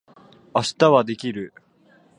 明日はできる？